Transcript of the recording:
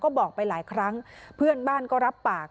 ก็บอกไปหลายครั้งเพื่อนบ้านก็รับปาก